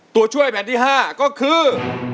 ตัวช่วยแผ่นที่๕ก็คือ